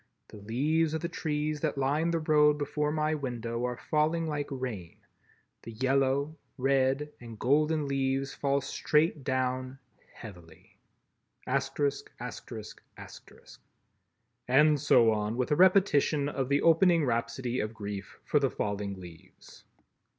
The leaves of the trees that line the road before my window are falling like rain—the yellow, red and golden leaves fall straight down heavily ," and so on, with a repetition of the opening rhapsody of grief for the falling leaves.